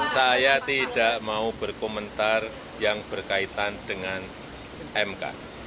saya tidak mau berkomentar yang berkaitan dengan mk